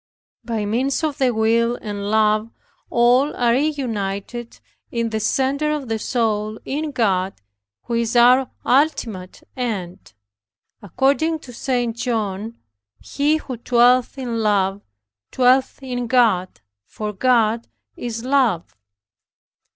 By means of the will and love, all are reunited in the center of the soul in God who is our ultimate end. According to St. John, "He who dwelleth in love, dwelleth in God, for God is love."